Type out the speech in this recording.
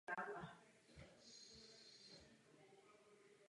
Výsledkem je tentokrát text "baz bar".